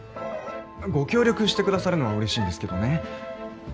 ご協力してくださるのは嬉しいんですけどね。